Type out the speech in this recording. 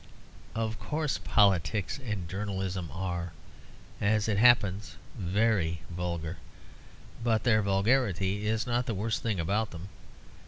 Of course, politics and journalism are, as it happens, very vulgar. But their vulgarity is not the worst thing about them.